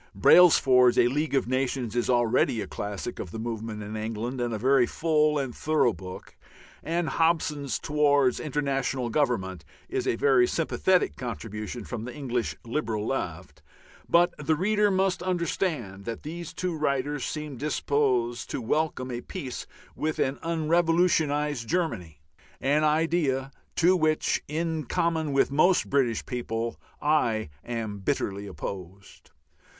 Brailsford's "A League of Nations" is already a classic of the movement in England, and a very full and thorough book; and Hobson's "Towards International Government" is a very sympathetic contribution from the English liberal left; but the reader must understand that these two writers seem disposed to welcome a peace with an unrevolutionized Germany, an idea to which, in common with most British people, I am bitterly opposed.